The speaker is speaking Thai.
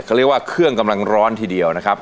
เขาเรียกว่าเครื่องกำลังร้อนทีเดียวนะครับ